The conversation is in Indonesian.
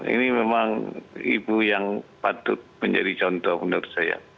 ini memang ibu yang patut menjadi contoh menurut saya